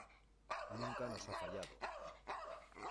Nunca nos ha fallado.